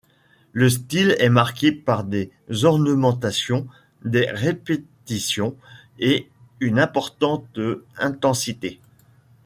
Le style est marqué par des ornementations, des répétitions et une importante intensité.